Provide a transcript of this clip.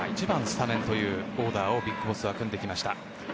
１番、スタメンというオーダーをＢＩＧＢＯＳＳは組んできました。